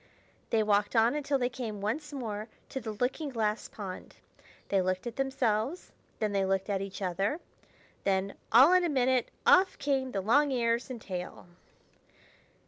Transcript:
They walked on until they came once more to the looking glass pond. They looked at themselves; then they looked at each other; then, all in a minute, off came the long ears and tail.